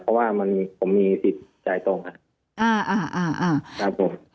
เพราะว่าผมมีสิทธิ์จ่ายตรงนะครับ